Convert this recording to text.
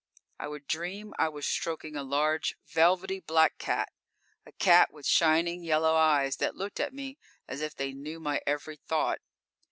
I would dream I was stroking a large, velvety black cat, a cat with shining yellow eyes that looked at me as if they knew my every thought.